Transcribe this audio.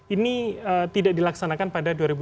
ini tidak dilaksanakan pada dua ribu dua puluh